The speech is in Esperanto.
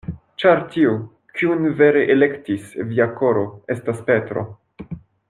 Ĉar tiu, kiun vere elektis via koro, estas Petro.